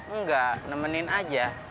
enggak nemenin aja